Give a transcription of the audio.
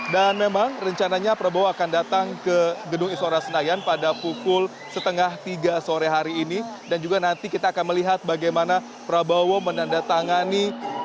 dan memang rencananya prabowo akan datang ke gedung istora senayan pada pukul setengah tiga sore hari ini dan juga nanti kita akan melihat bagaimana prabowo menandatangani